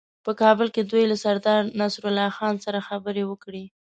په کابل کې دوی له سردارنصرالله خان سره خبرې وکړې.